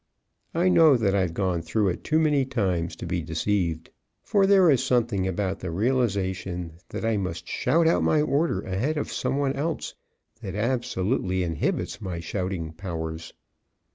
I know that. I've gone through it too many times to be deceived. For there is something about the realization that I must shout out my order ahead of some one else that absolutely inhibits my shouting powers.